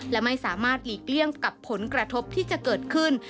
และไม่สามารถหลีกเลี่ยงกับผลกระทบที่จะเกิดขึ้น